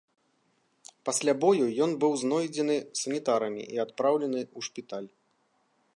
Пасля бою ён быў знойдзены санітарамі і адпраўлены ў шпіталь.